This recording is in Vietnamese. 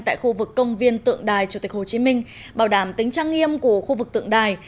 tại khu vực công viên tượng đài chủ tịch hồ chí minh bảo đảm tính trang nghiêm của khu vực tượng đài